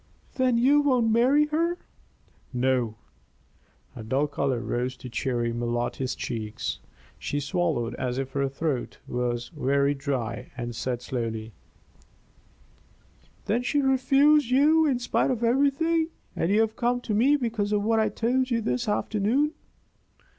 "Then you won't marry her?" "No." A dull color rose to Cherry Malotte's cheeks; she swallowed as if her throat were very dry, and said, slowly: "Then she refused you in spite of everything, and you have come to me because of what I told you this afternoon.